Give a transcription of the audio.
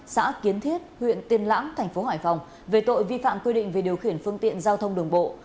xã kiến thiết huyện tiên lãng thành phố hải phòng về tội vi phạm quy định về điều khiển phương tiện giao thông đường bộ